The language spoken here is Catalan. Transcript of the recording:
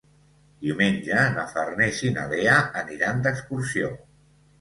Diumenge na Farners i na Lea aniran d'excursió.